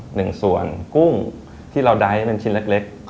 หนึ่งส่วนกุ้งที่เราไดท์เป็นชิ้นเล็ก